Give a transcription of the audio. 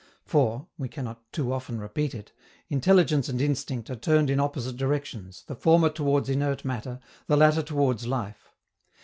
For we cannot too often repeat it intelligence and instinct are turned in opposite directions, the former towards inert matter, the latter towards life.